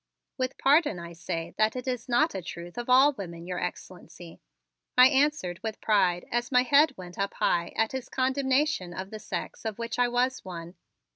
"With pardon I say that it is not a truth of all women, Your Excellency," I answered with pride as my head went up high at his condemnation of the sex of which I was one.